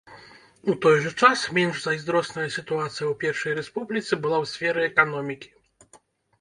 У той жа час, менш зайздросная сітуацыя ў першай рэспубліцы была ў сферы эканомікі.